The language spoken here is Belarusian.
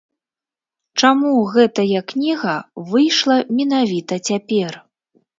Чаму гэтая кніга выйшла менавіта цяпер?